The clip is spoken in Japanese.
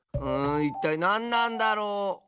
んいったいなんなんだろう？